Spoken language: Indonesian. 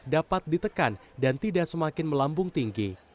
dapat ditekan dan tidak semakin melambung tinggi